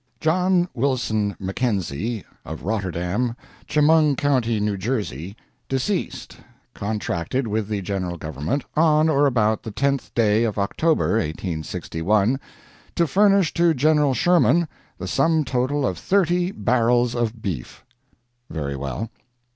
John Wilson Mackenzie, of Rotterdam, Chemung County, New Jersey, deceased, contracted with the General Government, on or about the 10th day of October, 1861, to furnish to General Sherman the sum total of thirty barrels of beef. Very well.